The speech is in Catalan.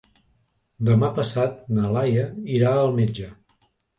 Demà passat na Laia irà al metge.